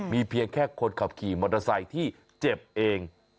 มีเพียงแค่คนขับขี่มอเตอร์ไซค์ที่เจ็บเอง